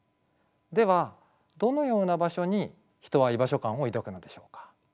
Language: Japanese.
ではどのような場所に人は居場所感を抱くのでしょうか？